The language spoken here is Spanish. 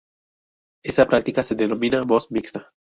Esa práctica se denomina voz mixta.